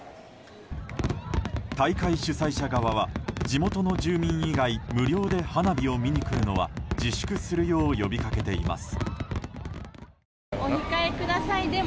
大会主催者側は地元の住民以外無料で花火を見に来るのは自粛するよう呼び掛けています。